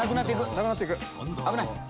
なくなって行く。